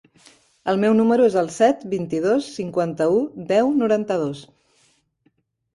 El meu número es el set, vint-i-dos, cinquanta-u, deu, noranta-dos.